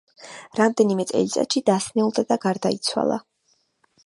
რამდენიმე წელიწადში დასნეულდა და გარდაიცვალა.